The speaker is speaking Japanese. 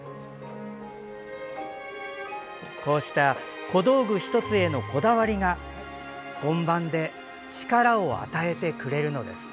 こうした小道具１つへのこだわりが本番で力を与えてくれるのです。